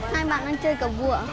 hai bạn đang chơi cờ vụ